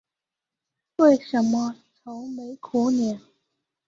为什么愁眉苦脸？